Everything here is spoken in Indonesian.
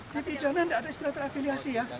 di pidana tidak ada istilah terafiliasi ya